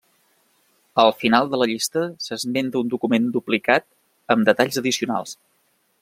Al final de la llista s'esmenta un document duplicat amb detalls addicionals.